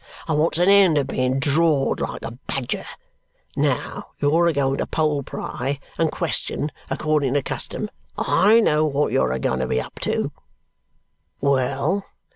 I wants an end of being drawed like a badger. Now you're a going to poll pry and question according to custom I know what you're a going to be up to. Well!